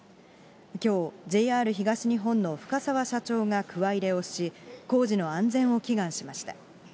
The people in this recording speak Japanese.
きょう、ＪＲ東日本の深澤社長がくわ入れをし、工事の安全を祈願しました。